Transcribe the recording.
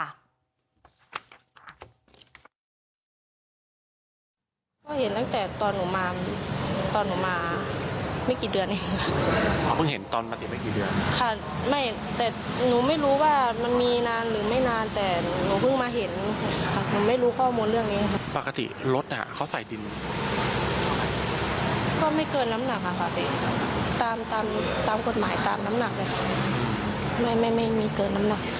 เราก็ตามกฎหมายตามน้ำหนักเลยค่ะไม่ไม่มีเกินน้ำหนัก